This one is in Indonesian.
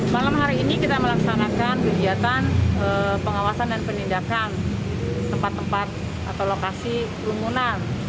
malam hari ini kita melaksanakan kegiatan pengawasan dan penindakan tempat tempat atau lokasi kerumunan